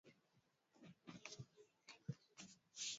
asilimia themanini ya wakazi Wakazi wengine wanatumia lugha nyingine